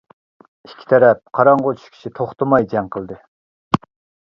ئىككى تەرەپ قاراڭغۇ چۈشكىچە توختىماي جەڭ قىلدى.